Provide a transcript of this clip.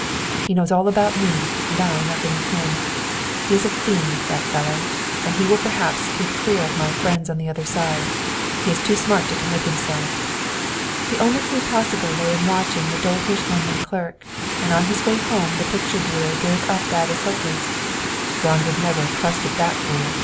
"He knows all about me; and I nothing of him. He is a fiend, that fellow; and he will perhaps keep clear of my friends on the other side. He is too smart to commit himself." The only clue possible lay in watching the doltish London clerk. And on his way home the picture dealer gave that up as hopeless. "Braun would never trust that fool.